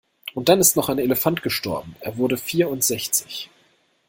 Und dann ist noch ein Elefant gestorben, er wurde vierundsechzig.